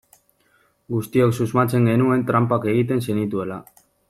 Guztiok susmatzen genuen tranpak egiten zenituela.